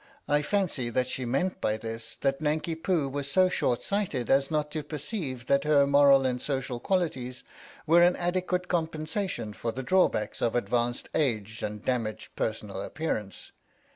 * I fancy that she meant by this that Nanki Poo was so short sighted as not to perceive that her moral and social qualities were an adequate compensation for the drawbacks of advanced age and damaged personal appearance.